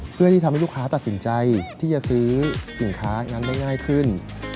เพื่อที่ทำให้ลูกค้าตัดสินใจที่จะซื้อสินค้านั้นได้ง่ายขึ้น